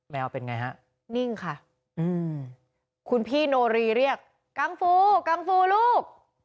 เป็นไงฮะนิ่งค่ะคุณพี่โนรีเรียกกังฟูกังฟูลูก